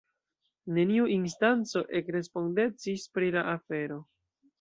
Neniu instanco ekrespondecis pri la afero.